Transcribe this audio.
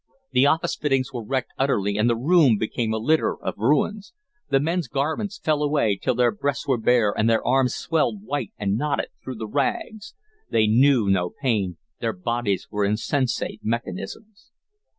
The office fittings were wrecked utterly and the room became a litter of ruins. The men's garments fell away till their breasts were bare and their arms swelled white and knotted through the rags. They knew no pain, their bodies were insensate mechanisms.